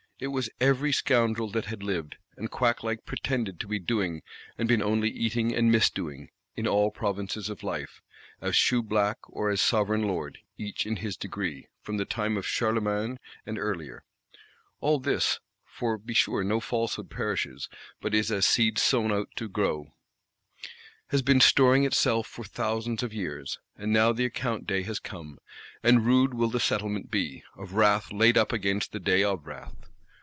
it was every scoundrel that had lived, and quack like pretended to be doing, and been only eating and _mis_doing, in all provinces of life, as Shoeblack or as Sovereign Lord, each in his degree, from the time of Charlemagne and earlier. All this (for be sure no falsehood perishes, but is as seed sown out to grow) has been storing itself for thousands of years; and now the account day has come. And rude will the settlement be: of wrath laid up against the day of wrath.